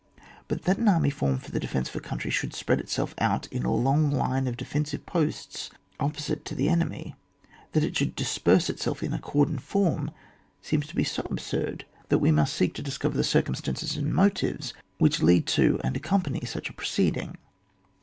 But that an army formed for the de fence of a coimtry should spread itself out in a long line of defensive posts oppo* site to the enemy, that it should disperse itself in a cordon £orm, seems to be so absurd that we must seek to discover the circumstances and motives which lead to and accompany such a proceeding.